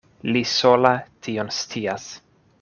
Li sola tion scias.